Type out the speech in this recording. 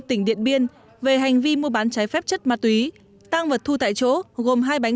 tỉnh điện biên về hành vi mua bán trái phép chất ma túy tăng vật thu tại chỗ gồm hai bánh